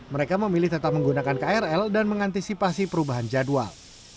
mereka memilih tetap menggunakan krl dan mengantisipasi perubahan jadwal